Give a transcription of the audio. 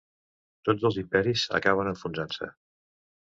Tots els imperis acaben enfonsant-se.